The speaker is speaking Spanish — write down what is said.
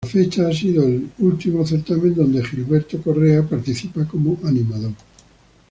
Hasta la fecha ha sido el último certamen donde Gilberto Correa participa como animador.